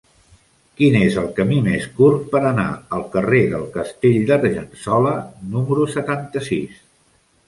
Quin és el camí més curt per anar al carrer del Castell d'Argençola número setanta-sis?